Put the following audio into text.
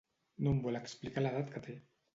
No em vol explicar l'edat que té.